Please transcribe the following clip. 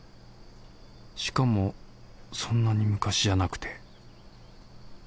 しかもそんなに昔じゃなくて。